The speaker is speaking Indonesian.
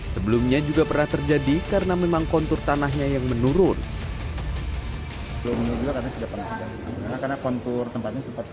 sebelumnya banjir yang terjadi di jawa barat adalah hal yang tidak terjadi